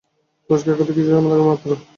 পরিষ্কার করতে কিছু সময় লাগবে মাত্র।